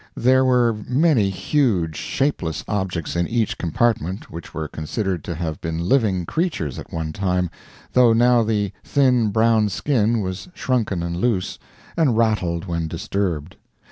There were many huge, shapeless objects in each compartment which were considered to have been living creatures at one time, though now the thin brown skin was shrunken and loose, and rattled when disturbed.